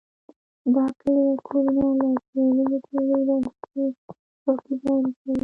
دا کلي او کورونه له پېړیو پېړیو راهیسې څوکیداري کوي.